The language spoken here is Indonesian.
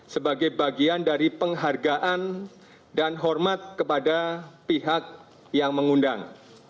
sebagai bagian dari penghargaan dan hormat kepada pihak yang mengundang